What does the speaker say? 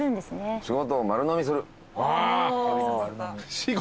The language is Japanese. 「仕事を丸のみする」